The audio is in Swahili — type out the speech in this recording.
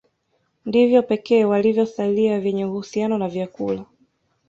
Ndivyo pekee vilivyosalia vyenye uhusiano na vyakula